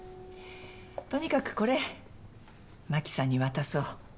とにかくこれ真紀さんに渡そう。